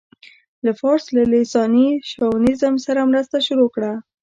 له فارس له لېساني شاونيزم سره مرسته شروع کړه.